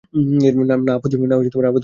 না আপত্তি থাকবে কেন?